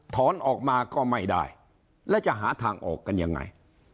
ถอนออกมาก็ไม่ได้แล้วจะหาทางออกกันยังไง